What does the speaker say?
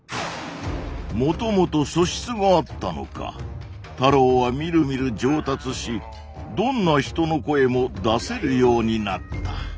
もともと素質があったのか太郎はみるみる上達しどんな人の声も出せるようになった。